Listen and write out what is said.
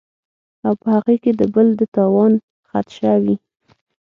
او پۀ هغې کې د بل د تاوان خدشه وي